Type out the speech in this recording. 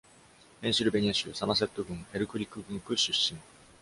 ペンシルベニア州サマセット郡エルクリック郡区出身。